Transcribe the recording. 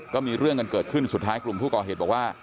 ก็มีเรื่องกันเกิดขึ้นสุดท้ายกลุ่มผู้ก่อเหตุบอกว่า